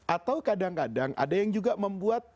atau kadang kadang ada yang juga membuat